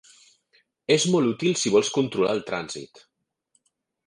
És molt útil si vols controlar el trànsit.